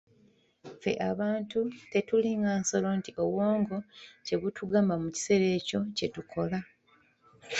Ffe abantu tetulinga nsolo nti obwongo kye butugamba mu kiseera ekyo kye tukola.